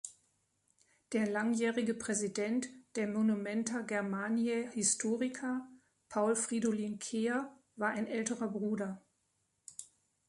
Der langjährige Präsident der Monumenta Germaniae Historica, Paul Fridolin Kehr, war ein älterer Bruder.